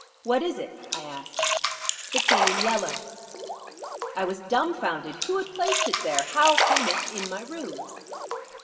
"What is it?" I asked. "The King in Yellow." I was dumfounded. Who had placed it there? How came it in my rooms?